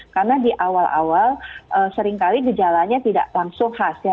karena di awal awal seringkali gejalanya tidak langsung khas ya